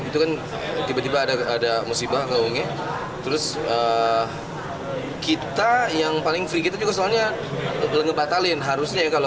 tiba tiba ada musibah keungi terus kita yang paling free kita juga soalnya ngebatalin harusnya